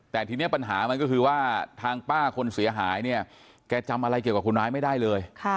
แต่ทีนี้ปัญหามันก็คือว่าทางป้าคนเสียหายเนี่ยแกจำอะไรเกี่ยวกับคนร้ายไม่ได้เลย